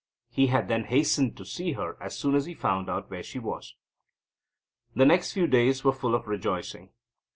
He had then hastened to see her as soon as he found out where she was. The next few days were full of rejoicing.